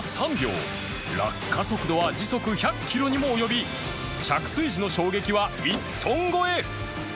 落下速度は時速１００キロにも及び着水時の衝撃は１トン超え！